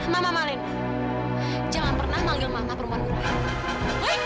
mama malena jangan pernah manggil mama perempuan murahan